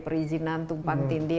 perizinan tumpang tindi